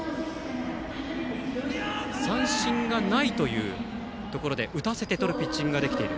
三振がないというところで打たせてとるピッチングができている。